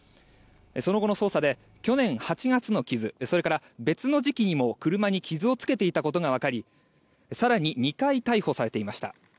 その後の捜査で、去年８月の傷それから別の時期にも車に傷をつけていたことがわかり更に２回逮捕されていました。